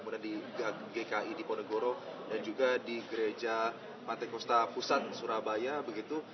kemudian di gki di ponegoro dan juga di gereja pantai kusta pusat surabaya begitu